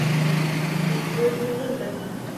د زور یې نه دی.